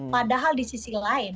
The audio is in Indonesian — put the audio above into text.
padahal di sisi lain